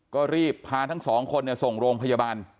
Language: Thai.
ก็รีบพาทั้งสองคนส่งโรงพยาบาล